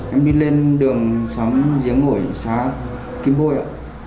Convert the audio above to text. em đi lên đường xóm giếng ngồi xá kim bôi ạ